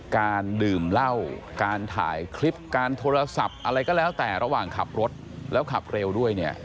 การดื่มเหล้าการถ่ายคลิปการโทรศัพท์อะไรก็แล้วแต่ระหว่างขับรถแล้วขับเร็วด้วยเนี่ย